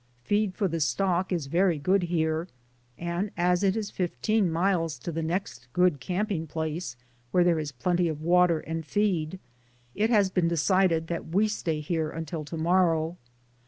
Feed for the stock is very good here, and as it is fifteen miles to the next good camping place, where there is plenty of water and feed, it has been decided that we stay here until to morrow.